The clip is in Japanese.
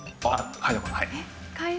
はい。